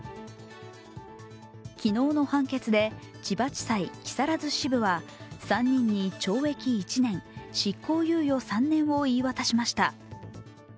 昨日の判決で千葉地裁木更津支部は３人に懲役１年執行猶予３年を言い渡しました。